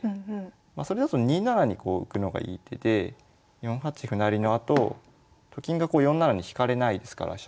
それだと２七に浮くのがいい手で４八歩成のあとと金が４七に引かれないですから飛車が利いてて。